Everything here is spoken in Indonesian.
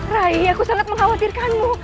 rai aku sangat mengkhawatirkanmu